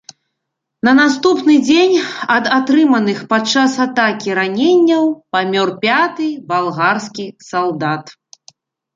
На наступны дзень ад атрыманых падчас атакі раненняў памёр пяты балгарскі салдат.